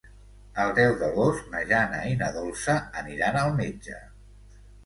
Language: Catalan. El deu d'agost na Jana i na Dolça aniran al metge.